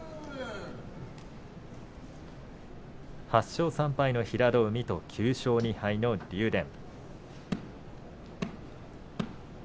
８勝３敗の平戸海と９勝２敗の竜電。